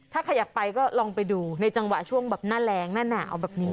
ถ้าใครอยากไปก็ลองไปดูในจังหวะช่วงแบบหน้าแรงหน้าหนาวแบบนี้